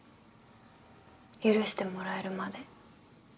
許してもらえるまで。